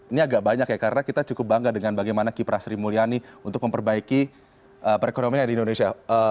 ini agak banyak ya karena kita cukup bangga dengan bagaimana kiprah sri mulyani untuk memperbaiki perekonomian di indonesia